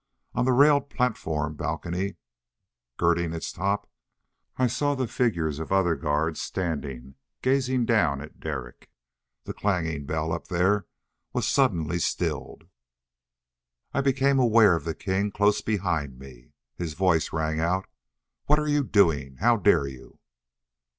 On the railed platform balcony girding its top I saw the figures of other guards standing, gazing down at Derek. The clanging bell up there was suddenly stilled. I became aware of the king close behind me. His voice rang out: "What are you doing? How dare you?"